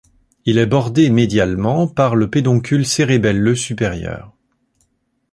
Il est bordé médialement par le pédoncule cérébelleux supérieur.